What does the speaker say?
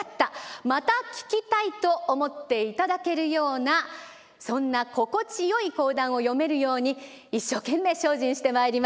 また聴きたい」と思っていただけるようなそんな心地よい講談を読めるように一生懸命精進してまいります。